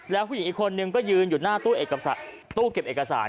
แล้วผู้หญิงอีกคนนึงก็ยืนอยู่หน้าตู้เก็บเอกสาร